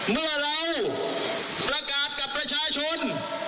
เมื่อเราประกาศกับประชาชน